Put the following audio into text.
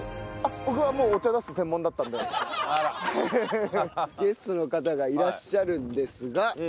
僕はもうゲストの方がいらっしゃるんですが。